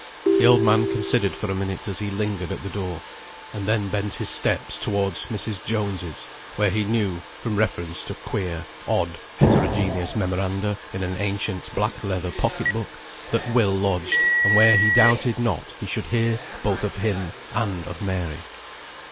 The old man considered for a minute as he lingered at the door, and then bent his steps towards Mrs. Jones's, where he knew (from reference to queer, odd, heterogeneous memoranda, in an ancient black leather pocket book) that Will lodged, and where he doubted not he should hear both of him and of Mary.